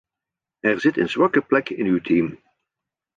Er zit een zwakke plek in uw team.